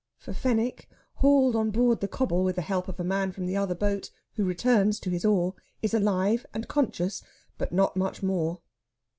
For Fenwick, hauled on board the cobble with the help of a man from the other boat, who returns to his oar, is alive and conscious, but not much more.